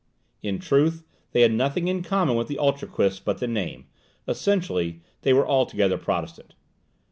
In truth, they had nothing in common with the Utraquists but the name; essentially, they were altogether Protestant.